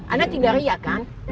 anda tidak riakan